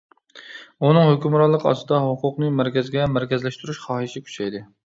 ئۇنىڭ ھۆكۈمرانلىقى ئاستىدا، ھوقۇقنى مەركەزگە مەركەزلەشتۈرۈش خاھىشى كۈچەيدى.